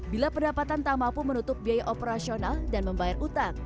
bila pendapatan tak mampu menutup biaya operasional dan membayar utang